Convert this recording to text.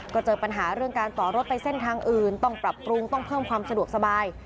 ก็เจอปัญหาเรื่องการต่อรถไปเส้นทางอื่นต้องปรับปรุงต้องเพิ่มความสะดวกสบาย